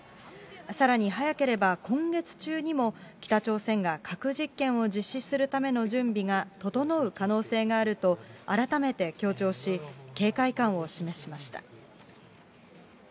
さらに早ければ、今月中にも、北朝鮮が核実験を実施するための準備が整う可能性があると、改めて強調し、警戒感を示しました。